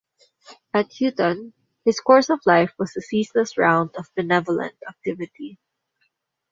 At Houghton his course of life was a ceaseless round of benevolent activity.